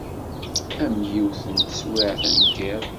Am yiwet n teswiɛt n yiḍ.